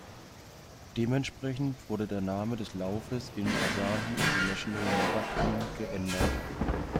Dementsprechend wurde der Name des Laufes in "Asahi International Marathon" geändert.